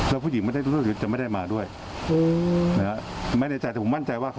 แล้วผู้หญิงไม่ได้รู้จะไม่ได้มาด้วยแต่ผมมั่นใจว่า